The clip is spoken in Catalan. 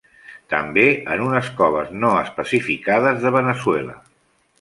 També en unes coves no especificades de Veneçuela.